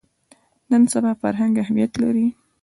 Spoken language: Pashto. نن سبا فرهنګ اهمیت لري